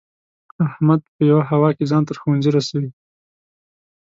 احمد په یوه هوا کې ځان تر ښوونځي رسوي.